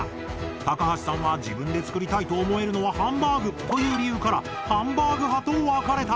高橋さんは「自分で作りたいと思えるのはハンバーグ」という理由からハンバーグ派と分かれた。